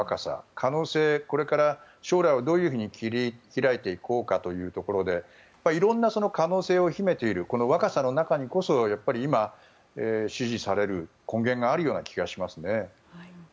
可能性、これから将来をどういうふうに切り開いていこうかというところで色んな可能性を秘めているこの若さの中にこそ今、支持される根源があるような気がしますね。